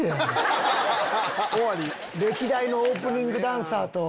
歴代のオープニングダンサーと。